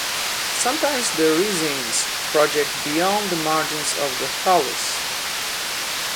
Sometimes the rhizines project beyond the margins of the thallus.